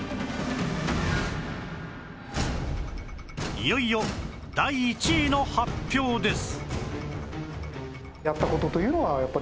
いよいよ第１位の発表です